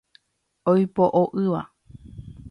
Oipo'o yva.